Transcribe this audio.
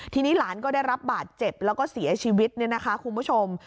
ที่นี่หลานก็ได้รับบาดเจ็บแล้วก็เสียชีวิตคุณผู้ชม